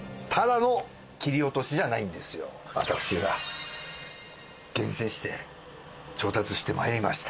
私が厳選して調達して参りました。